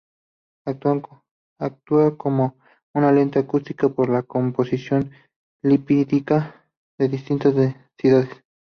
Actúa como una lente acústica por su composición lipídica de distintas densidades.